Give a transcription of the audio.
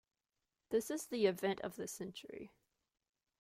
This is the event of the century.